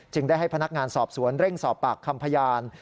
ได้ให้พนักงานสอบสวนเร่งสอบปากคำพยาน